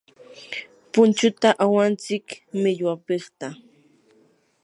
punchuta awantsik millwapiqta.